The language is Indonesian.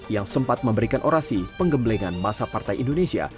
yang sempat memberikan orasi penggemblengan masa partai indonesia